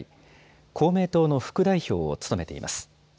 公明党の副代表を務めています。